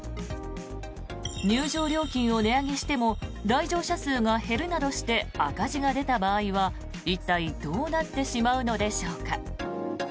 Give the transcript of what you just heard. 入場料金を値上げしても来場者数が減るなどして赤字が出た場合は、一体どうなってしまうのでしょうか。